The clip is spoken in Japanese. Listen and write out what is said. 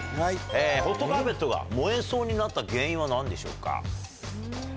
ホットカーペットが燃えそうになった原因はなんでしょうか？